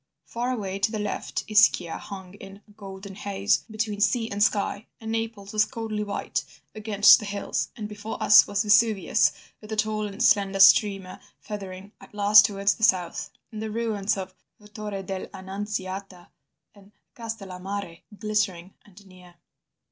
Far away to the left Ischia hung in a golden haze between sea and sky, and Naples was coldly white against the hills, and before us was Vesuvius with a tall and slender streamer feathering at last towards the south, and the ruins of Torre dell' Annunziata and Castellammare glittering and near."